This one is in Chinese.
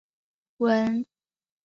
文革中受迫害。